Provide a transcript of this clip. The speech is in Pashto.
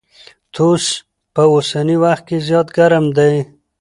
توس په اوسني وخت کي زيات ګرم دی.